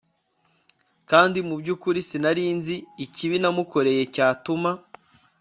kandi mu byukuri sinarinzi ikibi namukoreye cyatuma